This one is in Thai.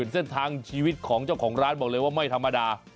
เส้นทางชีวิตของเจ้าของร้านบอกเลยว่าไม่ธรรมดา